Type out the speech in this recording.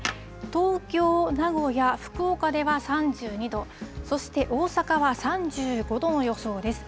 東京、名古屋、福岡では３２度、そして大阪は３５度の予想です。